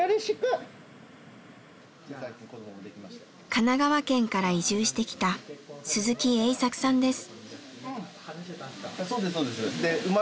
神奈川県から移住してきた鈴木英策さんです。